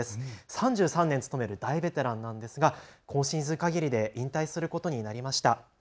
３３年務める大ベテランなんですが今シーズンかぎりで引退することになりました。